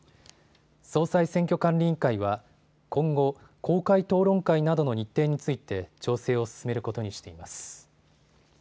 総裁選挙管理委員会は今後、公開討論会などの日程について調整を進めることにしています。